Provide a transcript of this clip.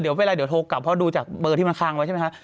เดี๋ยวเวลาเดี๋ยวโทรกลับเพราะดูจากเบอร์ที่มันค้างไว้ใช่ไหมคะ